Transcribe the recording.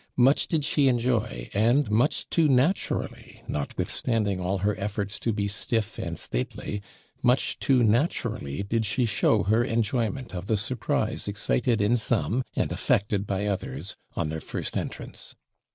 Much did she enjoy, and much too naturally, notwithstanding all her efforts to be stiff and stately, much too naturally did she show her enjoyment of the surprise excited in some and affected by others on their first entrance.